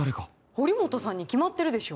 堀本さんに決まってるでしょ